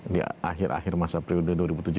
di akhir akhir masa periode dua ribu tujuh belas